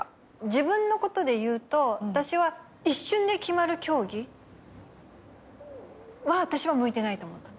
自分のことでいうと私は一瞬で決まる競技。は私は向いてないと思った。